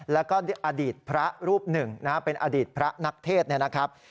แล้วก็อดีตพระรูปหนึ่งนะฮะเป็นอดีตพระนักเทศเนี่ยนะครับ